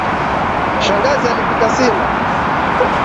Shangazi alipika sima.